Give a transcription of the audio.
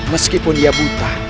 meskipun dia buta